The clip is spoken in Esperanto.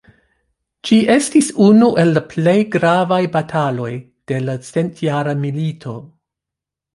Ĝi estis unu el la plej gravaj bataloj de la Centjara Milito.